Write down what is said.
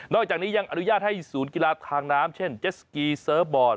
จากนี้ยังอนุญาตให้ศูนย์กีฬาทางน้ำเช่นเจสสกีเซิร์ฟบอร์ด